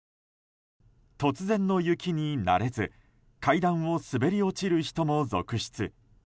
突然の雪に慣れず階段を滑り落ちる人も続出。